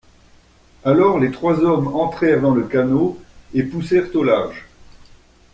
Alors les trois hommes entrèrent dans le canot, et poussèrent au large.